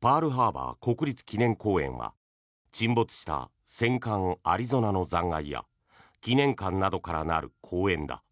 パールハーバー国立記念公園は沈没した戦艦「アリゾナ」の残骸や記念館などから成る公園だ。